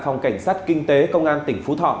phòng cảnh sát kinh tế công an tp thỏ